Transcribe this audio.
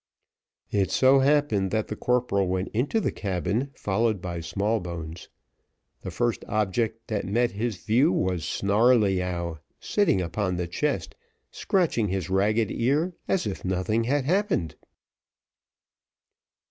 It so happened, that the corporal went into the cabin, followed by Smallbones; the first object that met his view, was Snarleyyow, sitting upon the chest, scratching his ragged ear as if nothing had happened.